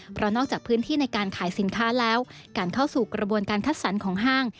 เพราะนอกจากพื้นที่ในการขายสินค้าแล้วการเข้าสู่กระบวนการคัดสรรของห้าง